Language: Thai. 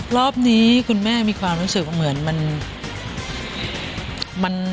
รอบนี้คุณแม่มีความรู้สึกว่าเหมือนมัน